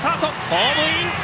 ホームイン！